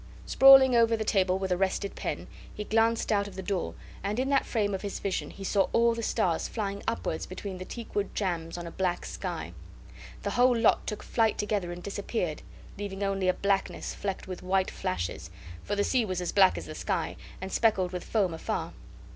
Sprawling over the table with arrested pen, he glanced out of the door, and in that frame of his vision he saw all the stars flying upwards between the teakwood jambs on a black sky. The whole lot took flight together and disappeared, leaving only a blackness flecked with white flashes, for the sea was as black as the sky and speckled with foam afar.